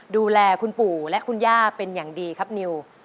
ดูแลคุณปู่และคุณย่าเป็นอย่างดีครับนิว